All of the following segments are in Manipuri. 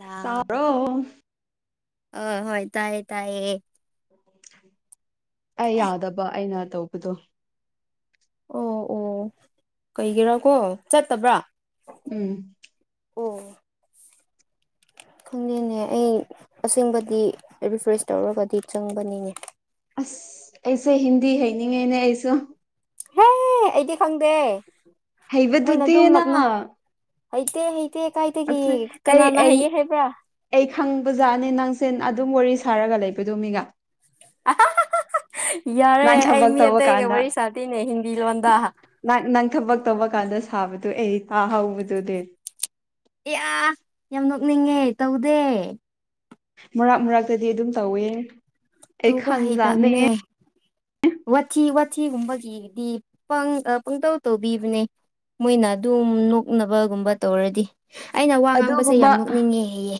ꯍꯜꯂꯣ ꯑ ꯍꯣꯏ ꯇꯥꯏꯌꯦ ꯇꯥꯏꯌꯦ ꯑꯩ ꯌꯥꯗꯕ ꯑꯩꯅ ꯇꯧꯕꯗꯣ ꯑꯣ ꯑꯣ ꯀꯩꯒꯤꯔꯥꯀꯣ ꯆꯠꯇꯕ꯭ꯔꯥ ꯎꯝ ꯑꯣ ꯈꯪꯗꯦꯅꯦ ꯑꯩ ꯑꯁꯦꯡꯕꯗꯤ ꯔꯤꯐ꯭ꯔꯦꯁ ꯇꯧꯔꯒꯗꯤ ꯆꯪꯕꯅꯤꯅꯦ ꯑꯁ ꯑꯩꯁꯦ ꯍꯤꯟꯗꯤ ꯍꯩꯅꯤꯡꯉꯦꯅꯦ ꯑꯩꯁꯨ ꯍꯦ ꯑꯩꯗꯤ ꯈꯪꯗꯦ ꯃꯣꯏꯅ ꯑꯗꯨꯝ ꯍꯩꯕꯗꯨꯗꯤꯅ ꯂꯞꯅ ꯍꯩꯇꯦ ꯍ ꯏꯇꯦ ꯀꯥꯏꯗꯒꯤ ꯑꯩ ꯀꯅꯥꯅ ꯑꯩ ꯍꯥꯏꯌꯦ ꯍꯥꯏꯕ꯭ꯔꯥ ꯑꯩ ꯈꯪꯕꯖꯥꯠꯅꯤ ꯅꯪꯁꯦꯟ ꯑꯗꯨꯝ ꯋꯥꯔꯤ ꯁꯥꯔꯒ ꯂꯩꯕꯗꯣ ꯃꯤꯒ ꯌꯥꯔꯦ ꯅꯪ ꯑꯩ ꯊꯕꯛ ꯃꯤ ꯇꯧꯕ ꯑꯇꯩꯒ ꯀꯥꯟꯗ ꯋꯥꯔꯤ ꯁꯥꯇꯤꯅꯦ ꯍꯤꯟꯗꯤ ꯂꯣꯟꯗ ꯅꯪ ꯅꯪ ꯊꯕꯛ ꯇꯧꯕ ꯀꯥꯟꯗ ꯁꯥꯕꯗꯨ ꯑꯩ ꯇꯥꯍꯧꯕꯗꯨꯗꯤ ꯑꯦ ꯑ ꯌꯥꯝ ꯅꯣꯛꯅꯤꯡꯉꯦ ꯇꯧꯗꯦ ꯃꯔꯥꯛ ꯃꯔꯥꯛꯛꯇꯗꯤ ꯑꯗꯨꯝ ꯇꯧꯋꯦ ꯑꯩ ꯇꯧꯕ ꯈꯪꯖꯥꯠꯅꯦ ꯍꯩꯇꯕꯅꯦ ꯋꯥꯊꯤ ꯋꯥꯊꯤꯒꯨꯝꯕꯒꯤꯗꯤ ꯄ ꯄꯪꯇꯧ ꯇꯧꯕꯤꯕꯅꯦ ꯃꯣꯏꯅ ꯑꯗꯨꯝ ꯅꯣꯛꯅꯕꯒꯨꯝꯕ ꯇꯧꯔꯗꯤ ꯑꯩꯅ ꯋꯥ ꯉꯥꯡꯕꯁꯦ ꯑꯗꯨꯒꯨꯝꯕ ꯌꯥꯝ ꯅꯣꯛꯅꯤꯡꯉꯦ ꯍꯌꯦ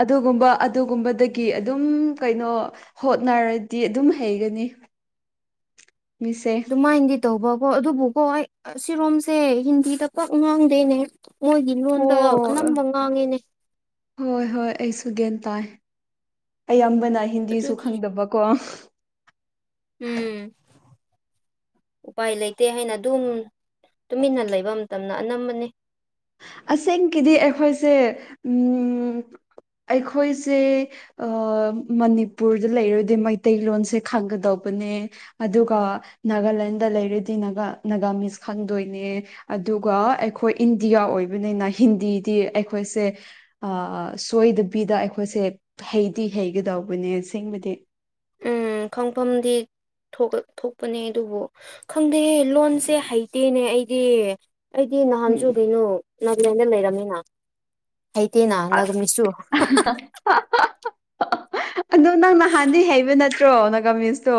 ꯑꯗꯨꯒꯨꯝꯕ ꯑꯗꯨꯒꯨꯝꯕꯗꯒꯤ ꯑꯗꯨꯝ ꯀꯩꯅꯣ ꯍꯣꯠꯅꯔꯗꯤ ꯑꯗꯨꯝ ꯍꯩꯒꯅꯤ ꯃꯤꯁ‌ꯦ ꯑꯗꯨꯃꯥꯏꯅꯗꯤ ꯇꯧꯕꯀꯣ ꯑꯗꯨꯕꯨꯀꯣ ꯑꯩ ꯑꯁꯤꯔꯣꯝꯁꯦ ꯍꯤꯟꯗꯤꯗ ꯄꯥꯞ ꯉꯥꯡꯗꯦꯅꯦ ꯃꯣꯏꯒꯤ‌ ꯂ‌ꯣꯟꯗ ꯑꯣ ꯑꯅꯝꯕ ꯉꯥꯡꯉꯤꯅꯦ ꯍꯣꯏ ꯍꯣꯏ ꯑꯩꯁꯨ ꯒ꯭ꯌꯥꯟ ꯇꯥꯏ ꯑꯌꯥꯝꯕꯅ ꯍꯤꯟꯗꯤꯁꯨ ꯑꯗꯨꯒꯤ ꯈꯪꯗꯕꯀꯣ ꯎꯝ ꯎꯄꯥꯏ ꯂꯩꯇꯦ ꯍꯥꯏꯅ ꯑꯗꯨꯝ ꯇꯨꯃꯤꯟꯅ ꯂꯩꯕ ꯃꯇꯝꯗ ꯑꯅꯝꯕꯅꯤ ꯑꯁꯦꯡꯒꯤꯗꯤ ꯑꯩꯈꯣꯏꯁꯦ ꯎꯝ ꯑꯩꯈꯣꯏꯁꯦ ꯑꯥ ꯃꯅꯤꯄꯨꯔꯗ ꯂꯩꯔꯗꯤ ꯃꯩꯇꯩꯂꯣꯟꯁꯦ ꯈꯪꯒꯗꯧꯕꯅꯦ ꯑꯗꯨꯒ ꯅꯥꯒꯥꯂꯦꯟꯗ ꯂꯩꯔꯗꯤ ꯅꯥꯒꯥ ꯅꯥꯒꯥꯃꯤꯁ ꯈꯪꯗꯣꯏꯅꯦ ꯑꯗꯨꯒ ꯑꯩꯈꯣꯏ ꯏꯟꯗꯤꯌꯥ ꯑꯣꯏꯕꯅꯤꯅ ꯍꯤꯟꯗꯤꯗꯤ ꯑꯩꯈꯣꯏꯁꯦ ꯑꯥ ꯁꯣꯏꯗꯕꯤꯗ ꯑꯩꯈꯣꯏꯁꯦ ꯍꯩꯗꯤ ꯍꯩꯒꯗꯧꯕꯅꯦ ꯑꯁꯦꯡꯕꯗꯤ ꯎꯝ ꯈꯪꯐꯝꯗꯤ ꯊꯣꯛ ꯊ‌ꯣꯛꯄꯅꯦ ꯑꯗꯨꯕꯨ ꯈꯪꯗꯦ ꯂꯣꯟꯁꯦ ꯍꯩꯇꯦꯅꯦ ꯑꯩꯗꯤ ꯑꯩꯗꯤ ꯅꯍꯥꯟꯁꯨ ꯎꯝ ꯀꯩꯅꯣ ꯅꯥꯒꯥꯂꯦꯟꯗ ꯂꯩꯔꯝꯃꯤꯅ ꯍꯩꯇꯦꯅ ꯅꯒꯥꯃꯤꯁꯁꯨ [inaudible] ꯑꯗꯣ ꯅꯪ ꯅꯍꯥꯟꯗꯤ ꯍꯩꯕ ꯅꯠꯇ꯭ꯔꯣ ꯅꯒꯥꯃꯤꯁꯇꯣ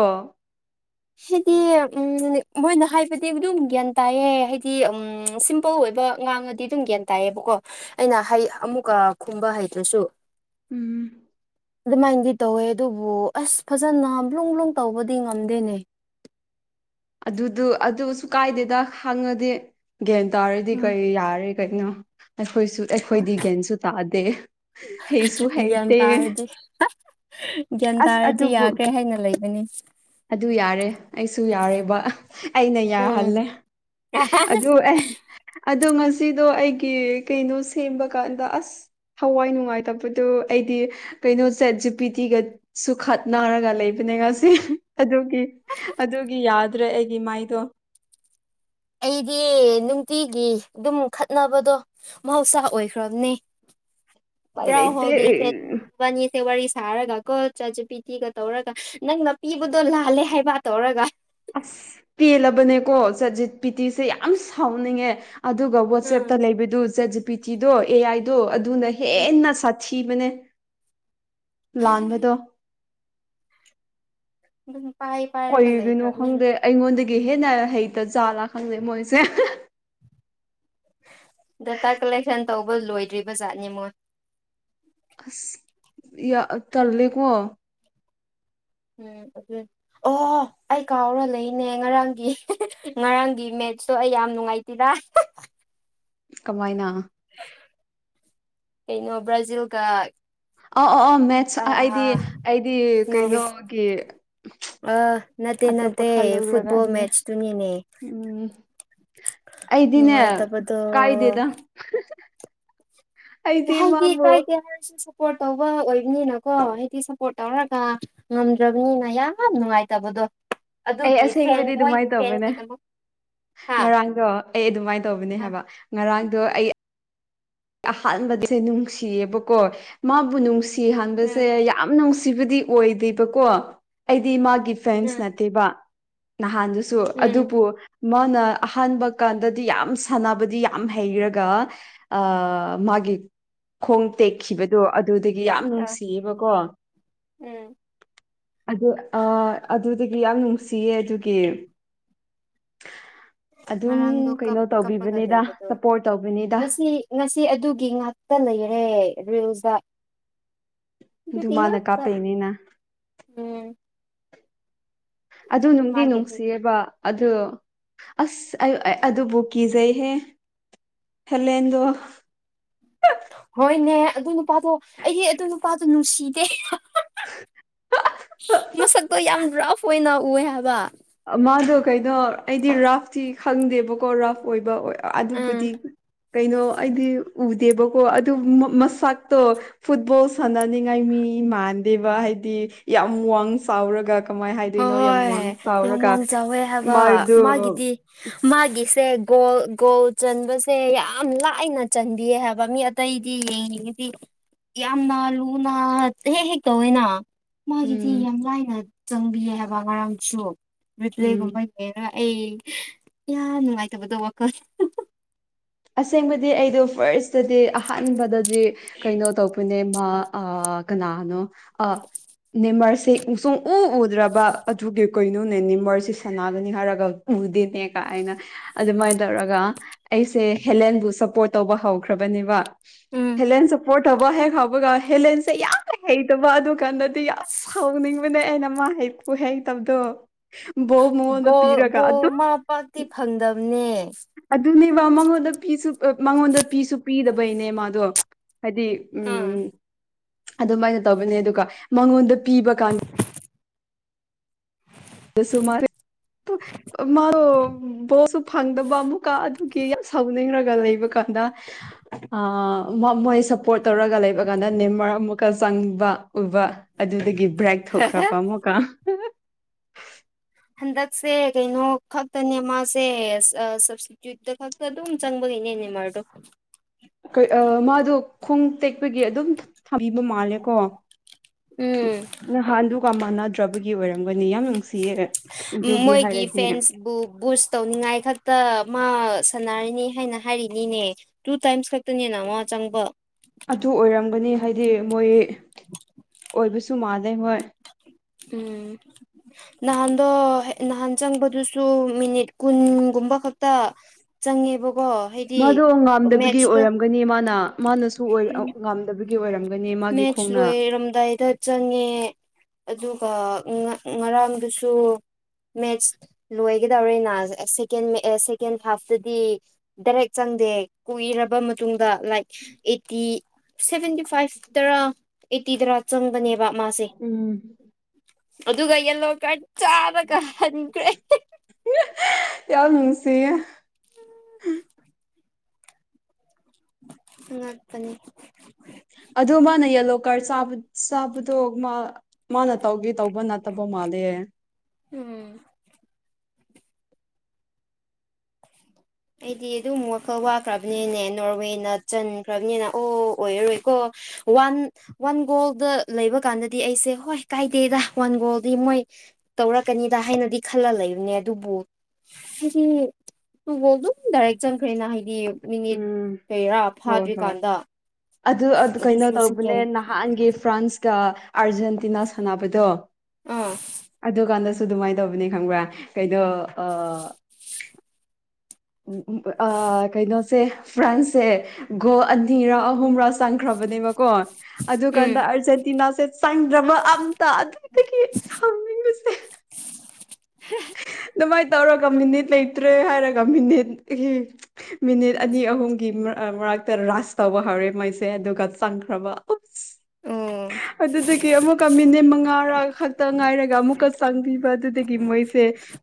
ꯍꯥꯏꯗꯤ ꯎꯝ ꯃꯣꯏꯅ ꯍꯥꯏꯕꯗꯤ ꯑꯗꯨꯝ ꯒ꯭ꯌꯥꯟ ꯇꯥꯏꯌꯦ ꯍꯥꯏꯗꯤ ꯎꯝ ꯁꯤꯝꯄꯜ ꯑꯣꯏꯕ ꯉꯥꯡꯉꯗꯤ ꯗꯤ ꯑꯗꯨꯝ ꯒ꯭ꯌꯥꯟ ꯇꯥꯏꯌꯦꯕꯀꯣ ꯑꯩꯅ ꯍꯩ ꯑꯃꯨꯛꯀ ꯈꯨꯝꯕ ꯍꯩꯇꯔꯁꯨ ꯎꯝ ꯑꯗꯨꯃꯥꯏꯅꯗꯤ ꯇꯧꯋꯦ ꯑꯗꯨꯕꯨ ꯑꯁ ꯐꯖꯅ ꯕ꯭ꯂꯨꯡ ꯕ꯭ꯂꯨꯡ ꯇꯧꯕꯗꯤ ꯉꯝꯗꯦꯅꯦ ꯑꯗꯨꯗꯨ ꯑꯗꯨꯁꯨ ꯀꯥꯏꯗꯦꯗ ꯈꯪꯉꯗꯤ ꯒ꯭ꯌꯥꯟ ꯇꯥꯔꯗꯤ ꯀꯩ ꯌꯥꯔꯦ ꯀꯩꯅꯣ ꯑꯩꯈꯣꯏꯁꯨ ꯑꯩꯈꯣꯏꯗꯤ ꯒꯥꯟꯁꯨ ꯇꯥꯗꯦ ꯍꯩꯁꯨ ꯒ꯭ꯌꯥꯟ ꯍꯩꯇ‌ꯦ ꯇꯥꯔꯗꯤ ꯒ꯭ꯌꯥꯟ ꯑꯁ ꯇꯥꯔꯗꯤ ꯑꯗꯨꯕꯨ ꯌꯥꯈ꯭ꯔꯦ ꯍꯥꯏꯅ ꯂꯩꯕꯅꯤ ꯑꯗꯨ ꯌꯥꯔꯦ ꯑꯩꯁꯨ ꯌꯥꯔꯦ ꯕ ꯑꯩꯅ ꯎꯝ ꯌꯥꯍꯜꯂꯦ ꯑꯗ‌ꯣ ꯑꯦ ꯑꯗꯣ ꯉꯁꯤꯗꯣ ꯑꯩꯒꯤ ꯀꯩꯅꯣ ꯁꯦꯝꯕ ꯀꯥꯟꯗ ꯑꯁ ꯊꯋꯥꯏ ꯅꯨꯡꯉꯥꯏꯇꯕꯗꯣ ꯑꯩꯗꯤ ꯀꯩꯅꯣ ꯆꯥꯠꯖꯤꯄꯤꯇꯤꯒ ꯁꯨ ꯈꯠꯅꯥꯔꯒ ꯂꯩꯕꯅꯦ ꯉꯁꯤ ꯑꯗꯨꯒꯤ ꯑꯗꯨꯒꯤ ꯌꯥꯗ꯭ꯔꯦ ꯑꯩꯒꯤ ꯃꯥꯏꯗꯣ ꯑꯩꯗꯤ ꯅꯨꯡꯇꯤꯒꯤ ꯑꯗꯨꯝ ꯈꯠꯅꯕꯗꯣ ꯃꯍꯧꯁꯥ ꯑꯣꯏꯈ꯭ꯔꯕꯅꯦ ꯎꯄꯥꯏ ꯄꯨꯔꯥ ꯂꯩꯇꯦ ꯍꯣꯜ ꯗ‌ꯦꯐꯦꯠ ꯏꯕꯥꯟꯅꯤꯁꯦ ꯋꯥꯔꯤ ꯁꯥꯔꯒ ꯀꯣ ꯆꯥꯠꯖꯤꯄꯤ ꯒ ꯇꯧꯔꯒ ꯅꯪꯅ ꯄꯤꯕꯗꯣ ꯂꯥꯜꯂꯦ ꯍꯥꯏꯕ ꯇꯧꯔꯒ ꯑꯁ ꯄꯦꯜꯂꯕꯅꯦꯀꯣ ꯆꯥꯠ ꯖꯤꯄꯤꯇꯤꯁꯦ ꯌꯥꯝ ꯁꯥꯎꯅꯤꯡꯉꯦ ꯑꯗꯨꯒ ꯋꯥꯆꯦꯞꯇ ꯎꯝ ꯂꯩꯕꯗꯨ ꯆꯥꯠ ꯖꯤ ꯄꯤ ꯇꯤꯗꯣ ꯑꯦ ꯑꯥꯏꯗꯣ ꯑꯗꯨꯅ ꯎꯝ ꯍꯦꯟꯅ ꯁꯥ ꯊꯤꯕꯅꯦ ꯂꯥꯟꯕꯗꯣ ꯑꯗꯨꯝ ꯄꯥꯏ ꯄꯥꯏꯔꯒ ꯀꯩꯒꯤꯅꯣ ꯂꯩꯈ꯭ꯔꯕꯅꯤ ꯈꯪꯗꯦ ꯑꯩꯉꯣꯟꯗꯒꯤ ꯍꯦꯟꯅ ꯍꯩꯇ ꯖꯥꯠꯂꯥ ꯈꯪꯗꯦ ꯃꯣꯏꯁꯦ ꯗꯥꯇꯥ ꯀꯂꯦꯛꯁꯟ ꯇꯧꯕ ꯂꯣꯏꯗ꯭ꯔꯤꯕ ꯖꯥꯠꯅ‌ꯦ ꯃꯣꯏ ꯑꯁ ꯇꯜꯂꯦꯀꯣ ꯎꯝ ꯑꯗꯨ ꯑꯣ ꯑꯩ ꯀꯥꯎꯔ ꯂꯩꯅꯦ ꯉꯔꯥꯡꯒꯤ ꯉꯔꯥꯡꯒꯤ ꯃꯦꯠꯇꯣ ꯑꯩ ꯌꯥꯝ ꯅꯨꯡꯉꯥꯏ ꯇ‌ꯦꯗ ꯀꯃꯥꯏꯅ ꯀꯩꯅꯣ ꯕ꯭ꯔꯥꯖꯤꯜꯒ ꯑꯧ ꯑꯧ ꯃꯦꯠꯁ ꯑꯥ ꯑꯩꯗꯤ ꯑꯩꯗꯤ ꯅꯣꯔꯋꯦ ꯀꯩꯅꯣꯒꯤ ꯑ ꯅꯠꯇꯦ ꯑꯇꯣꯞꯄ ꯅꯠꯇꯦ ꯈꯜꯂꯨꯔꯒ ꯐꯨꯠꯕꯣꯜ ꯃꯦꯠꯁꯇꯨꯅꯤꯅꯦ ꯎꯝ ꯑꯩꯗꯤꯅꯦ ꯅꯨꯡꯉꯥꯏꯇꯕꯗꯣ ꯀꯥꯏꯗꯦꯗ ꯀ ꯑꯩꯗꯤ ꯍꯥꯏꯗꯤ ꯃꯥꯕꯨ ꯀꯥꯏꯗꯦ ꯍꯥꯏꯔꯁꯨ ꯁꯞꯄꯣꯔꯠ ꯇꯧꯕ ꯑꯣꯏꯕꯅꯤꯅꯀꯣ ꯍꯥꯏꯗꯤ ꯁꯞꯄꯣꯔꯠ ꯇꯧꯔꯒ ꯉꯝꯗ꯭ꯔꯕꯅꯤꯅ ꯌꯥꯝ ꯅꯨꯡꯉꯥꯏꯇꯕꯗꯣ ꯑꯩ ꯑꯗꯨꯒꯤ ꯐꯦꯟ ꯑꯁꯦꯡꯕꯗꯤ ꯃꯣꯏꯒꯤ ꯑꯗꯨꯃꯥꯏꯅ ꯇꯧꯕꯅꯦ ꯐꯦꯟꯒꯤꯗꯃꯛ ꯍꯥ ꯉꯔꯥꯡꯗꯣ ꯑꯩ ꯑꯗꯨꯃꯥꯏꯅ ꯇꯧꯕꯅꯦ ꯍꯥꯏꯕ ꯉꯔꯥꯡꯗꯣ ꯑꯩ ꯑꯍꯥꯟꯕꯗꯁꯦ ꯅꯨꯡꯁꯤꯌꯦꯕꯀꯣ ꯃꯥꯕꯨ ꯎꯝ ꯅꯨꯡꯁꯤꯍꯥꯟꯕꯁꯦ ꯌꯥꯝ ꯅꯨꯡꯁꯤꯕꯗꯤ ꯑꯣꯏꯗꯦꯕꯀꯣ ꯑꯩꯗꯤ ꯃꯥꯒꯤ ꯐꯦꯟꯁ ꯎꯝ ꯅꯠꯇꯦꯕ ꯅꯍꯥꯟꯗꯨꯁꯨ ꯎꯝ ꯑꯗꯨꯕꯨ ꯃꯥꯅ ꯑꯍꯥꯟꯕ ꯀꯥꯟꯗꯗꯤ ꯌꯥꯝ ꯁꯥꯟꯅꯕꯗꯤ ꯌꯥꯝ ꯍꯩꯔꯒ ꯃꯥꯒꯤꯦ ꯈꯣꯡꯇ ꯎꯈꯤꯕꯗꯣ ꯑꯗꯨꯗꯒꯤ ꯌꯥꯝ ꯑ ꯅꯨꯡꯁꯤꯌꯦꯕꯀꯣ ꯎꯝ ꯑꯗꯨ ꯑꯗꯨꯗꯒꯤ ꯌꯥꯝ ꯅꯨꯡꯁꯤꯌꯦ ꯑꯗꯨꯒꯤ ꯑꯗꯨꯝ ꯉꯔꯥꯡꯗꯣ ꯀꯞ ꯀꯩꯅꯣ ꯀꯞꯄꯒ ꯇꯧꯕꯤꯕꯅꯤꯗ ꯂꯩꯕꯗꯣ ꯁꯞꯄꯣꯔꯠ ꯇꯧꯕꯅꯤꯗ ꯉꯁꯤ ꯉꯁꯤ ꯑꯗꯨꯒꯤ ꯉꯥꯛꯇ ꯂꯩꯔꯦ ꯔꯤꯜꯗ ꯑꯗꯨ ꯃꯥꯅ ꯀ ꯀꯥꯞꯄꯩꯅꯤꯅ ꯎꯝ ꯑꯗꯨ ꯅꯨꯡꯗꯤ ꯃꯥꯒꯤꯗꯤ ꯅꯨꯡꯁꯤꯌꯦꯕ ꯑ ꯑꯁ ꯑꯩ ꯑꯗꯨꯕꯨ ꯀꯤꯖꯩꯍꯦ ꯍꯦꯂꯦꯟꯗ ꯍꯣꯏꯅꯦ ꯑꯗꯨ ꯅꯨꯄꯥꯗꯣ ꯑꯩ ꯑꯗꯨ ꯅꯨꯄꯥꯗꯣ ꯅꯨꯡꯁꯤꯗꯦ ꯃꯁꯛꯇꯣ ꯌꯥꯝ ꯔꯐ ꯑꯣꯏꯅ ꯎꯑ ꯍꯥꯏꯕ ꯃꯥꯗꯣ ꯀꯩꯅꯣ ꯑꯩꯗꯤ ꯔꯥꯐꯇꯤ ꯈꯪꯗꯦꯕꯀꯣ ꯔꯥꯐ ꯑꯣꯏꯕ ꯑꯣꯏ ꯑꯗꯨꯕꯨꯗꯤ ꯎꯝ ꯀꯩꯅꯣ ꯑꯩꯗꯤ ꯎꯗꯦꯕꯀꯣ ꯑꯗꯨ ꯃꯁꯛꯇꯣ ꯐꯨꯠꯕꯣꯜ ꯁꯥꯟꯅꯅꯤꯡꯉꯥꯏ ꯃꯤ ꯃꯥꯟꯗꯦꯕ ꯍꯥꯏꯗꯤ ꯌꯥꯝ ꯋꯥꯡ ꯆꯥꯎꯔꯒ ꯀꯃꯥꯏ ꯍꯥꯏꯗꯣꯏꯅꯣ ꯌꯥꯝ ꯋꯥꯡ ꯍꯣꯏ ꯌꯥꯝ ꯆꯥꯎꯔꯒ ꯋꯥꯡ ꯆꯥꯎꯋꯦ ꯍꯥꯏꯕ ꯃꯥꯗꯣ ꯃꯥꯒꯤꯗꯤ ꯃꯥꯒꯤꯁꯦ ꯒꯣꯜ ꯒꯣꯜ ꯆꯟꯕꯁꯦ ꯌꯥꯝ ꯂꯥꯏꯅ ꯆꯟꯕꯤꯌꯦ ꯍꯥꯏꯕ ꯃꯤ ꯑꯇꯩꯗꯤ ꯌꯦꯡꯉꯤꯉꯗꯤ ꯌꯥꯝꯅ ꯂꯨꯅ ꯍꯦꯛ ꯍꯦꯛ ꯇꯧꯏ ꯑꯣꯏꯅ ꯃꯥꯒꯤꯗꯤ ꯎꯝ ꯌꯥꯝ ꯂꯥꯏꯅ ꯆꯪꯕꯤꯌꯦ ꯍꯥꯏꯕ ꯃꯔꯝꯁꯨ ꯎꯝ ꯔꯤꯄ꯭ꯂꯦꯒꯨꯝꯕ ꯅ ꯑꯩ ꯌꯥꯝ ꯅꯨꯡꯉꯥꯏꯇꯕꯗꯣ ꯋꯥꯈꯜ ꯑꯁꯦꯡꯕꯗꯤ ꯑꯩꯗꯣ ꯐꯥꯔꯁꯇꯗꯤ ꯑꯍꯥꯟꯕꯗꯗꯤ ꯀꯩꯅꯣ ꯇꯧꯕꯅꯦ ꯃꯥ ꯀꯅꯥꯅꯣ ꯑ ꯅꯤꯃꯔꯁꯦꯁꯣꯡꯎ ꯎꯗ꯭ꯔꯕ ꯑꯗꯨꯒꯤ ꯀꯣꯏꯩꯅꯣꯅꯦ ꯅꯤꯃꯔꯁꯤ ꯁꯥꯟꯅꯒꯅꯤ ꯍꯥꯏꯔꯒ ꯎꯗꯦ ꯀ ꯑꯩꯅ ꯑꯗꯨꯃꯥꯏꯅ ꯇꯧꯔꯒ ꯑꯩ ꯁꯦ ꯍꯦꯂꯦꯟꯕꯨ ꯁꯞꯄꯣꯔꯠ ꯇꯧꯕ ꯍꯧꯈ꯭ꯔꯕꯅꯦꯕ ꯎꯝ ꯍꯦꯂꯦꯟ ꯁꯞꯄꯣꯔꯠ ꯇꯕ ꯍꯦꯛ ꯍꯥꯎꯕꯒ ꯍꯦꯂꯦꯟꯁꯦ ꯌꯥꯝꯅ ꯍꯩꯇꯕ ꯑꯗꯨ ꯀꯥꯟꯗꯗꯤ ꯁꯥꯎꯅꯤꯡꯕꯅꯦ ꯑꯩꯅ ꯃꯥ ꯍꯦꯛꯄꯨ ꯍꯩꯇꯕꯗꯣ ꯕꯣꯜ ꯃꯉꯣꯟꯗ ꯄꯤꯔꯒ ꯕꯣꯜ ꯑꯗꯨꯝ ꯃꯥ ꯄꯥꯛꯇꯤ ꯐꯪꯗꯝꯕꯅꯦ ꯑꯗꯨꯅꯦꯕ ꯃꯉꯣꯟꯗ ꯐꯤꯁꯨ ꯃꯉꯣꯟꯗ ꯐꯤꯁꯨ ꯄꯤꯗꯕꯩꯅꯦ ꯃꯥꯗꯣ ꯍꯥꯏꯗꯤ ꯑꯥ ꯎꯝ ꯑꯗꯨꯃꯥꯏꯅ ꯇꯧꯕꯅꯦ ꯑꯗꯨꯒ ꯃꯉꯣꯟꯗ ꯄꯤꯕ ꯀꯥꯟꯗ [unintelligible] ꯁꯨꯃꯔꯦ ꯃꯥ ꯕꯣꯠꯁꯨ ꯐꯪꯗꯕ ꯑꯃꯨꯛꯀ ꯑꯗꯨꯒꯤ ꯌꯥꯝ ꯁꯥꯎꯅꯤꯡꯔꯒ ꯂꯩꯕ ꯀꯥꯟꯗ ꯃꯣꯏ ꯁꯞꯄꯣꯔꯠ ꯇꯧꯔꯒ ꯂꯩꯕ ꯀꯥꯟꯗ ꯅꯦꯝꯃꯔ ꯑꯃꯨꯛꯀ ꯆꯪꯕ ꯎꯕ ꯑꯗꯨꯗꯒꯤ ꯕ꯭ꯔꯦꯛ ꯊꯣꯛꯈ꯭ꯔ ꯄ ꯑꯃꯨꯀ ꯍꯟꯗꯛꯁꯦ ꯀꯩꯅꯣ ꯈꯛꯇꯅꯦ ꯃꯥꯁꯦ ꯁꯞꯁꯇꯤꯇ꯭ꯌꯨꯠꯇ ꯈ ꯑꯗꯨꯝ ꯆꯪꯕ ꯏꯅꯦꯅꯦ ꯃꯥꯣ ꯑꯩꯈꯣꯏ ꯃꯥꯗꯣ ꯈꯣꯡ ꯇꯦꯛꯄꯒꯤ ꯑꯗꯨꯝ ꯊꯝꯕꯤꯕ ꯃꯥꯜꯂꯦꯀꯣ ꯎꯝ ꯅꯍꯥꯟꯗꯨꯒ ꯃꯥꯟꯅꯗ꯭ꯔꯕꯒꯤ ꯑꯣꯏꯔꯝꯒꯅꯤ ꯌꯥꯝ ꯅꯨꯡꯁꯤꯌꯦ ꯑꯗꯨꯒꯤ ꯃꯣꯏꯒꯤ ꯍꯥꯏꯔꯗꯤ ꯐꯦꯟꯁꯕꯨ ꯕꯨꯁ ꯇꯧꯅꯤꯡꯉꯥꯏ ꯈꯛꯇ ꯃꯥ ꯁꯥꯟꯅꯔꯤꯅꯤ ꯍꯥꯏꯅ ꯍꯥꯏꯔꯤꯅꯤꯅꯦ ꯇꯨ ꯇꯥꯏꯝꯁ ꯀꯥꯛꯛꯇꯅꯤ ꯅꯋꯥ ꯆꯪꯕ ꯑꯗꯨ ꯑꯣꯏꯔꯝꯒꯅꯤ ꯍꯥꯏꯗꯤ ꯃꯣꯏ ꯑꯣꯏꯕꯁꯨ ꯃꯥꯟꯅꯩ ꯃꯣꯏ ꯎꯝ ꯅꯍꯥꯟꯗꯣ ꯅꯍꯥꯟ ꯆꯪꯕꯗꯨꯁꯨ ꯃꯤꯅꯤꯠ ꯀꯨꯟꯒꯨꯝꯕ ꯈꯛꯇ ꯆꯪꯉꯦꯕꯀꯣ ꯍꯥꯏꯗꯤ ꯃꯥꯗꯣ ꯉꯝꯗꯕꯒꯤ ꯃꯦꯠꯁꯇꯣ ꯑꯣꯏꯔꯝꯒꯅꯤ ꯃꯥꯅ ꯃꯥꯅꯁꯨ ꯉꯝꯗꯕꯒꯤ ꯑꯣꯏꯔꯝꯒꯅꯤ ꯃꯥꯒꯤ ꯃꯦꯠꯁ ꯈꯣꯡꯅ ꯂꯣꯏꯔꯝꯗꯥꯏꯗ ꯆꯪꯉꯦ ꯑꯗꯨꯒ ꯉꯔꯥꯡꯗꯨꯁꯨ ꯃꯦꯠꯆ ꯂꯣꯏꯒꯗꯧꯔꯦꯅ ꯁꯦꯀꯦꯟ ꯍꯥꯐꯇꯗꯤ ꯗꯥꯏꯔꯦꯛ ꯆꯪꯗꯦ ꯀꯨꯏꯔꯕ ꯃꯇꯨꯡ ꯃꯇꯨꯡꯨꯡꯗ ꯂꯥꯏꯛ ꯑꯩꯠꯇꯤ ꯁꯚꯦꯟꯇꯤ ꯐꯥꯏꯚ ꯇꯔꯥ ꯑꯩꯠꯇꯤꯗꯔꯥ ꯆꯪꯕꯅꯦꯕ ꯃꯥꯁꯦ ꯎꯝ ꯑꯗꯨꯒ ꯌꯦꯂꯣ ꯀꯆꯥꯗ ꯀ ꯍꯟꯈ꯭ꯔꯦ ꯌꯥ ꯃꯅꯨꯡꯁꯤ ꯎꯝ ꯎꯥꯛꯄꯅꯤ ꯑ ꯃꯥꯅ ꯌꯦꯂꯣ ꯀꯥꯔ ꯆꯥꯕꯗꯣ ꯃꯥ ꯃꯥꯅ ꯇꯧꯒꯦ ꯇꯧꯕ ꯅꯠꯇꯕ ꯃꯥꯜꯂꯦ ꯎꯝ ꯑꯩꯗꯤ ꯑꯗꯨꯝ ꯋꯥꯈꯜ ꯋꯥꯈ꯭ꯔꯕꯅꯤꯅꯦ ꯅꯣꯔꯋꯦꯅ ꯆꯟꯈ꯭ꯔꯕꯅꯤꯅ ꯑꯣ ꯑꯣꯏꯔꯔꯣꯏꯀꯣ ꯋꯥꯟ ꯋꯥꯟ ꯒꯣꯜꯗ ꯂꯩꯕ ꯀꯥꯟꯗꯗꯤ ꯑꯩꯁꯦ ꯍꯣꯏ ꯀꯥꯏꯗꯦꯗ ꯋꯥꯟ ꯒꯣꯜꯗꯤ ꯃꯣꯏ ꯇꯧꯔꯛꯀꯅꯤꯗ ꯍꯥꯏꯅꯗꯤ ꯈꯜꯂ ꯂꯩꯕꯅꯦ ꯑꯗꯨꯕꯨ ꯍꯥꯏꯗꯤ ꯑꯗꯨꯝ ꯗꯥꯏꯔꯦꯛ ꯆꯟꯈ꯭ꯔꯦꯅ ꯍꯥꯏꯗꯤ ꯃꯤꯅꯤꯠ ꯎꯝ ꯀꯩꯔꯥ ꯍꯣꯏ ꯍꯣꯏ ꯐꯥꯗ꯭ꯔꯤꯀꯥꯟꯗ ꯑꯗꯨ ꯀꯩꯅꯣ ꯑꯗꯨꯁꯨ ꯁꯦꯀꯦꯟ ꯇꯧꯕꯅꯦ ꯅꯍꯥꯟꯒꯤ ꯐ꯭ꯔꯥꯟꯁꯀ ꯑꯥꯔꯖꯦꯟꯇꯤꯅꯥ ꯁꯥꯟꯅꯕꯗꯣ ꯑ ꯑꯥ ꯑꯗꯨ ꯀꯥꯟꯗꯁꯨ ꯑꯗꯨꯃꯥꯏꯅ ꯇꯧꯕꯅꯤ ꯈꯪꯕ꯭ꯔꯥ ꯀꯩꯗꯣ ꯎ ꯑ ꯀꯩꯅꯣꯁꯦ ꯐ꯭ꯔꯥꯟꯁꯁꯦ ꯒꯣ ꯑꯅꯤꯔꯥ ꯑꯍꯨꯝꯔ ꯆꯪꯈ꯭ꯔꯕꯅꯦꯕꯀꯣ ꯑꯗꯨ ꯎꯝ ꯀꯥꯟꯗ ꯑꯥꯔꯖꯦꯟꯇꯤꯅꯥꯁꯦ ꯆꯪꯗ꯭ꯔꯕ ꯑꯝꯇ ꯑꯗꯨꯏꯗꯒꯤ ꯁꯅꯤꯡꯕꯁꯦ ꯑꯗꯨꯃꯥꯏꯅ ꯇꯧꯔꯒ ꯃꯤꯅꯤꯠ ꯂꯩꯇ꯭ꯔꯦ ꯍꯥꯏꯔꯒ ꯃꯤꯅꯤꯠ ꯃꯤꯅꯤꯠ ꯑꯅꯤ ꯑꯍꯨꯝꯒꯤ ꯃꯔꯛꯇ ꯔꯁ ꯇꯧꯕ ꯍꯧꯔꯦ ꯃꯣꯏꯁꯦ ꯑꯗꯨꯒ ꯆꯪꯈ꯭ꯔꯕ ꯎꯞꯁ ꯎꯝ ꯑꯗꯨꯗꯒꯤ ꯑꯃꯨꯛꯀ ꯃꯤꯅꯤꯠ ꯃꯉꯥꯔ ꯈꯛꯇ ꯉꯥꯏꯔꯒ ꯑꯃꯨꯛꯀ ꯆꯪꯕꯤꯕ ꯑꯗꯨꯗꯒꯤ ꯃꯣꯏ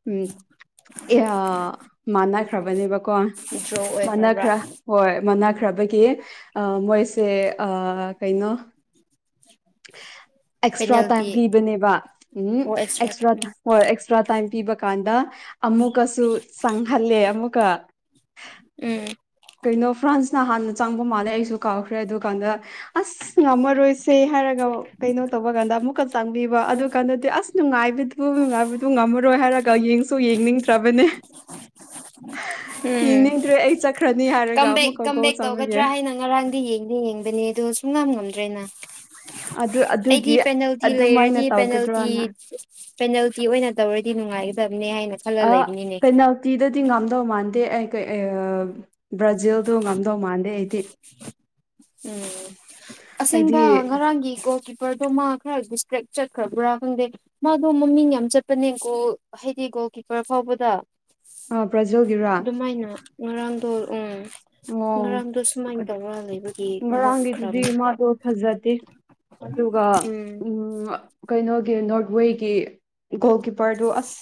ꯎꯝ ꯃꯥꯟꯅꯈ꯭ꯔꯕꯅꯦꯕꯀꯣ ꯗ꯭ꯔꯣ ꯑꯣꯏꯈ꯭ꯔꯕ꯭ꯔꯥ ꯃꯥꯟꯅꯈ꯭ꯔ ꯍꯣꯏ ꯃꯅꯈ꯭ꯔꯕꯒꯤ ꯃꯣꯏꯁꯦ ꯀꯩꯅꯣ ꯑꯦꯛꯁꯇ꯭ꯔꯥ ꯄꯦꯅꯥꯜꯇꯤ ꯇꯥꯏꯝ ꯄꯤꯕꯅꯦꯕ ꯎꯝ ꯑꯣ ꯎꯝ ꯑꯦꯛꯁꯇ꯭ꯔꯥ ꯍꯣꯏ ꯇ꯭ꯔꯥ ꯇꯥꯏꯝ ꯄꯤꯕ ꯀꯥꯟꯗ ꯑꯃꯨꯛꯀꯁꯨ ꯆꯪꯍꯜꯂꯦ ꯑꯃꯨꯛꯀ ꯎꯝ ꯀꯩꯅꯣ ꯐ꯭ꯔꯥꯟꯁꯅ ꯍꯥꯟꯅ ꯆꯪꯕ ꯃꯥꯜꯂꯦ ꯑꯩꯁꯨ ꯀꯥꯎꯈ꯭ꯔꯦ ꯑꯗꯨ ꯀꯥꯟꯗ ꯑꯁ ꯉꯝꯃꯔꯣꯏꯁꯦ ꯍꯥꯏꯔꯒ ꯀꯩꯅꯣ ꯇꯧꯕ ꯀꯥꯟꯗ ꯑꯃꯨꯛꯀ ꯆꯪꯕꯤꯕ ꯑꯗꯨ ꯀꯥꯟꯗꯗꯤ ꯑꯁ ꯅꯨꯡꯉꯥꯏꯕꯗꯨꯕꯨ ꯅꯨꯡꯉꯥꯏꯕ ꯇ ꯉꯝꯃꯔꯣꯏ ꯍꯥꯏꯔꯒ ꯌꯦꯡꯁꯨ ꯌꯦꯡꯅꯤꯡꯗ꯭ꯔꯕꯅꯦ ꯎꯝ ꯌꯦꯡꯅꯤꯡꯗ꯭ꯔꯦ ꯑꯩ ꯆꯠꯈ꯭ꯔꯅꯤ ꯍꯥꯏꯔꯒ ꯀꯝꯕꯦꯛ ꯑꯃꯨꯛꯀꯀꯣ ꯀꯝꯕꯦꯛ ꯆꯪꯉꯒꯦ ꯇꯧꯒꯗ꯭ꯔꯥ ꯍꯥꯏꯅ ꯉꯔꯥꯡꯗꯤ ꯌꯦꯡꯗꯦ ꯌꯦꯡꯗꯅꯦ ꯑꯗꯣ ꯁꯨꯡ ꯉ ꯉꯝꯗ꯭ꯔꯦꯅ ꯑꯗꯨ ꯑꯩꯗꯤ ꯑꯗꯨꯒꯤ ꯄꯦꯅꯥꯜꯇꯤ ꯑꯗꯨꯃꯥꯏꯅ ꯂꯩꯔꯗꯤ ꯄꯦꯅꯥꯜꯇꯤ ꯇꯧꯒꯗ꯭ꯔꯅ ꯄꯦꯅꯥꯜꯇꯤ ꯑꯣꯏꯅ ꯇꯧꯔꯗꯤ ꯅꯨꯡꯉꯥꯏꯒꯗꯕꯅꯦ ꯍꯥꯏꯅ ꯈꯜꯂ ꯂꯩꯕꯅꯤꯅꯦ ꯑꯅ ꯀꯥꯇꯤꯗꯗꯤ ꯉꯝꯗꯧ ꯃꯥꯟꯗꯦ ꯑꯩ ꯕ꯭ꯔꯥꯖꯤꯜꯗꯣ ꯉꯝꯗꯧ ꯃꯥꯟꯗꯦ ꯑꯩꯗꯤ ꯎꯝ ꯍꯥꯏꯗꯤ ꯑꯁꯦꯡꯕ ꯉꯔꯥꯡꯒꯤ ꯒꯣꯜ ꯀꯤꯞꯄꯔꯗꯣꯃꯛ ꯈꯔ ꯗꯤꯇ꯭ꯔꯦꯛ ꯆꯠꯈꯔꯕ꯭ꯔꯥ ꯈꯪꯗꯦ ꯃꯥꯗꯣ ꯃꯃꯤꯡ ꯌꯥꯝ ꯆꯠꯄꯅꯦꯀꯣ ꯍꯥꯏꯗꯤ ꯒꯣꯜ ꯀꯤꯞꯄꯔ ꯐꯥꯎꯕꯗ ꯑꯥ ꯕ꯭ꯔꯖꯤꯜ ꯑꯗꯨꯃꯥꯏꯅ ꯉꯔꯥꯡꯗꯣ ꯎꯝ ꯑꯣ ꯉꯔꯥꯡꯗꯣ ꯁꯨꯃꯥꯏꯅ ꯇꯧꯔ ꯂꯩꯕꯒꯤ ꯉꯔꯥꯡꯒꯤꯗꯨꯗꯤ ꯉꯛꯈ꯭ꯔꯕꯅꯦ ꯃꯥꯗꫭ ꯐꯖꯗꯦ ꯑꯗꯨꯒ ꯎꯝ ꯀꯩꯅꯣꯒꯤ ꯅꯣꯔꯠꯋꯦꯒꯤ ꯒꯣꯜ ꯀꯤꯞꯄꯔꯗꯨ ꯑꯁ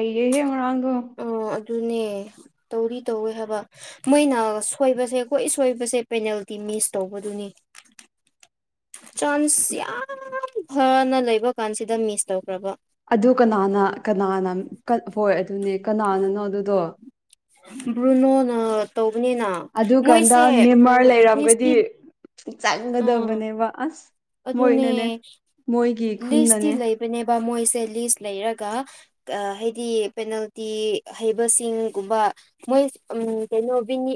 ꯍꯩꯌꯦꯍꯦ ꯉꯔꯥꯡꯗꯣ ꯑꯣ ꯑꯗꯨꯅꯦ ꯇꯧꯔꯤ ꯇꯧꯋꯦ ꯍꯥꯏꯕ ꯃꯣꯏꯅ ꯁꯣꯏꯕꯁꯦ ꯀꯣꯏ ꯁꯣꯏꯕꯁꯦ ꯄꯦꯅꯥꯜꯇꯤ ꯃꯤꯁ ꯇꯧꯕꯗꯨꯅꯤ ꯆꯥꯟꯁ ꯌꯥꯝ ꯐꯅ ꯂꯩꯕ ꯀꯥꯟꯁꯤꯗ ꯃꯤꯁ ꯇꯧꯈ꯭ꯔꯕ ꯑꯗꯨ ꯀꯅꯥꯅ ꯀꯅꯥꯅ ꯍꯣꯏ ꯑꯗꯨꯅꯦ ꯀꯅꯥꯅꯅꯣ ꯑꯗꯨꯗꯣ ꯕ꯭ꯔꯨꯅꯣꯅ ꯇꯧꯕꯅꯤꯅ ꯑꯗꯨꯀꯥꯟꯗ ꯃꯣꯏꯁꯦ ꯅꯦꯝꯃꯔ ꯎꯝ ꯂꯩꯔꯝꯒꯗꯤ ꯂꯤꯁꯇꯤ ꯑꯥ ꯆꯪꯒꯗꯕꯅꯦꯕ ꯑꯁ ꯃꯣꯏꯅꯅꯦ ꯑꯗꯨꯅꯦ ꯃꯣꯏꯒꯤ ꯈꯨꯟꯅꯅꯦ ꯑꯗꯨꯅꯦꯕ ꯃꯣꯏꯁꯦ ꯂꯤꯁ ꯂꯩꯔꯒ ꯍꯥꯏꯗꯤ ꯄꯦꯅꯥꯜꯇꯤ ꯍꯩꯕꯁꯤꯡꯒꯨꯝꯕ ꯃꯣꯏ ꯎꯝ ꯀꯩꯅꯣ ꯕꯤꯅꯤ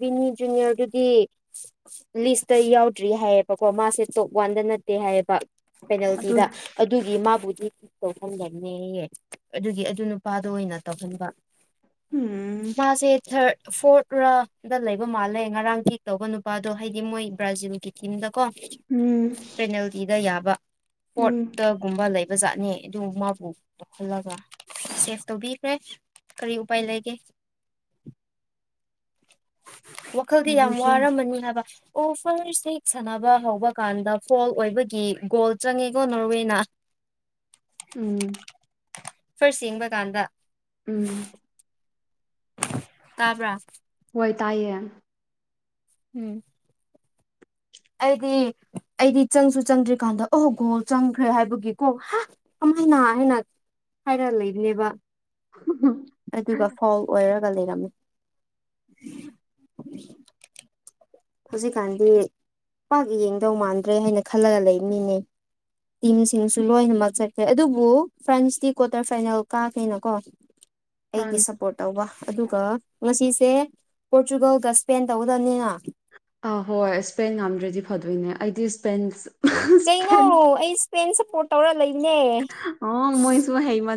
ꯕꯤꯅꯤ ꯖꯨꯅꯤꯌꯔꯗꯨꯗꯤ ꯂꯤꯁꯇ ꯌꯥꯎꯗ꯭ꯔꯤ ꯍꯥꯏꯌꯦꯕꯀꯣ ꯃꯥꯁꯦ ꯇꯣꯞ ꯋꯥꯟꯗ ꯅꯠꯇꯦ ꯍꯥꯏꯌꯦꯕ ꯑꯗꯨ ꯄꯦꯅꯥꯜꯇꯤꯗ ꯑꯗꯨꯒꯤ ꯃꯥꯕꯨꯗꯤ ꯇꯧꯍꯟꯒꯅꯦꯍ ꯑꯗꯨꯒꯤ ꯑꯗꯨ ꯅꯨꯄꯥꯗ ꯑꯣꯏꯅ ꯇꯧꯍꯟꯕ ꯍꯝ ꯃꯥꯁꯦ ꯊꯔꯗ ꯐꯣꯔꯠ ꯔ ꯗ ꯂꯩꯕ ꯃꯥꯜꯂꯦ ꯉꯔꯥꯡ ꯊꯦꯛ ꯇꯧꯕ ꯅꯨꯄꯥꯗꯣ ꯍꯥꯏꯗꯤ ꯃꯣꯏ ꯕ꯭ꯔꯥꯖꯤꯜꯒꯤ ꯇꯝꯗ ꯀꯣ ꯎꯝ ꯄꯦꯅꯦꯜꯇꯤꯗ ꯌꯥꯕ ꯎꯝ ꯐꯣꯔꯠꯇꯒꯨꯝꯕ ꯂꯩꯕ ꯕꯖꯥꯠꯅꯦ ꯑꯗꯨ ꯃꯥꯕꯨ ꯇꯣꯛꯍꯜꯂꯒ ꯆꯦꯐ ꯇꯧꯕꯤꯈ꯭ꯔꯦ ꯀꯔꯤ ꯎꯄꯥꯏ ꯂꯩꯒꯦ ꯋꯈꯜꯗꯤ ꯎꯄꯥꯏ ꯌꯥꯝ ꯂꯩꯇꯦ ꯋꯥꯔꯝꯃꯅꯤ ꯍꯥꯏꯕ ꯑꯣ ꯐꯔꯁ ꯍꯦꯛ ꯁꯥꯟꯅꯕ ꯍꯧꯕ ꯀꯥꯟꯗ ꯐꯣꯜ ꯑꯣꯏꯕꯒꯤ ꯒꯣꯜ ꯆꯪꯉꯤꯀꯣ ꯅꯣꯔ꯭ꯋꯦꯅ ꯎꯝ ꯐꯔꯁ ꯌꯦꯡꯕ ꯀꯥꯟꯗ ꯎꯝ ꯇꯥꯕ꯭ꯔꯥ ꯋꯥꯏ ꯇꯥꯏꯌꯦ ꯎꯝ ꯑꯩꯗꯤ ꯑꯩꯗꯤ ꯆꯪꯁꯨ ꯆꯪꯗ꯭ꯔꯤꯀꯥꯟꯗ ꯑꯍꯣ ꯒꯣꯜ ꯆꯪꯈ꯭ꯔꯦ ꯍꯥꯏꯕꯒꯤꯀꯣ ꯍꯥ ꯀꯃꯅ ꯍꯥꯏꯅ ꯍꯥꯏꯔ ꯂꯩꯕꯅꯦꯕ [unintelligible] ꯑꯗꯨꯒ ꯐꯧꯜ ꯑꯣꯏꯔꯒ ꯂꯩꯔꯝꯃꯤ ꯍꯧꯖꯤꯛꯀꯥꯟꯗꯤ ꯄꯥꯛ ꯌꯦꯡꯗꯧ ꯃꯥꯟꯗ꯭ꯔꯦ ꯍꯥꯏꯅ ꯈꯜꯂꯒ ꯂꯩꯕꯅꯤꯅꯦ ꯇꯤꯝꯁꯤꯡꯁꯨ ꯂꯣꯏꯅꯃꯛ ꯆꯠꯈ꯭ꯔꯦ ꯑꯗꯨꯕꯨ ꯐ꯭ꯔꯥꯟꯁꯇꯤ ꯀ꯭ꯋꯥꯇꯔ ꯐꯥꯏꯅꯦꯜ ꯀꯥꯈꯦꯅ ꯀꯣ ꯑꯩꯒꯤ ꯐ꯭ꯔꯥꯟꯁ ꯁꯥꯞꯄꯣꯠ ꯇꯧꯕ ꯑꯗꯨꯒ ꯉꯁꯤꯁꯦ ꯄꯣꯇꯨ꯭ꯔꯒꯜꯒ ꯏꯁꯄꯦꯟ ꯇꯧꯒꯗꯕꯅꯤꯅ ꯑꯥ ꯍꯣꯏ ꯏꯁꯄꯦꯟ ꯉꯥꯝꯗ꯭ꯔꯗꯤ ꯐꯗꯣꯏꯅꯦ ꯑꯩꯗꯤ ꯏꯁꯄꯦꯟ ꯀꯩꯅꯣ ꯏꯁꯄꯦꯟ ꯑꯩ ꯏꯁꯄꯦꯟ ꯁꯥꯞꯄꯣꯔꯠ ꯇꯧꯔ ꯂꯩꯅꯦ ꯑꯣ ꯃꯣꯏꯁꯨ ꯍꯩꯃꯟ